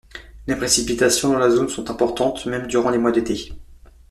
Les précipitations dans la zone sont importantes même durant les mois d'été.